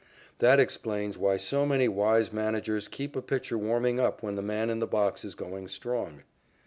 That explains why so many wise managers keep a pitcher warming up when the man in the box is going strong.